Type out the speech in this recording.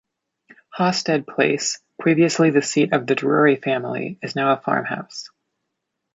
Hawstead Place, previously the seat of the Drury family, is now a farmhouse.